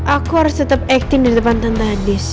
aku harus tetep acting didepan tante hadis